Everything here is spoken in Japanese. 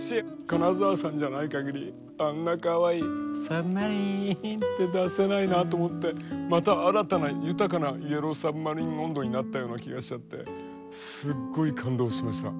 金沢さんじゃないかぎりあんなかわいいサブマリンって出せないなと思ってまた新たな豊かな「イエロー・サブマリン音頭」になったような気がしちゃってすっごい感動しました。